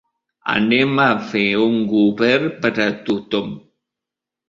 Anem a fer un govern per a tothom.